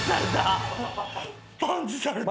パンチされた。